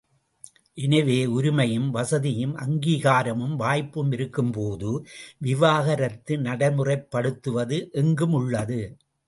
எனவே உரிமையும், வசதியும், அங்கீகாரமும், வாய்ப்பும் இருக்கும்போது விவாக ரத்து நடைமுறைப் படுத்துவது எங்கும் உள்ளது.